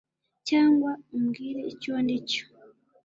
Cyangwa umbwire icyo ndi cyo